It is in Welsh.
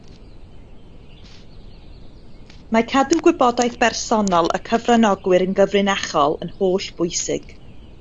Mae cadw gwybodaeth bersonol y cyfranogwyr yn gyfrinachol yn holl bwysig